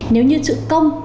nếu như trực công